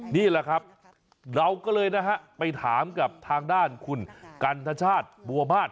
นี่แหละครับเราก็เลยนะฮะไปถามกับทางด้านคุณกันทชาติบัวมาส